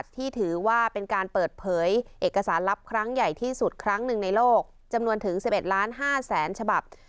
ที่ถือว่าเป็นการเปิดเผยเอกสารลับครั้งใหญ่ที่สุดครั้งหนึ่งในโลกจำนวนถึง๑๑ล้าน๕แสนฉบับ